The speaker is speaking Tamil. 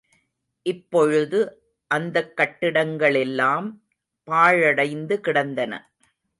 இப்பொழுது அந்தக் கட்டிடங்களெல்லாம் பாழடைந்து கிடந்தன.